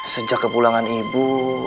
sejak ke pulangan ibu